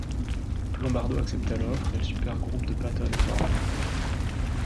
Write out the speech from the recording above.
Lombardo accepta l'offre et le supergroupe de Patton est formé.